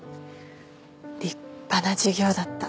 立派な授業だった。